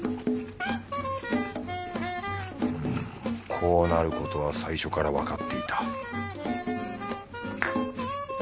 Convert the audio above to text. こうなることは最初からわかっていた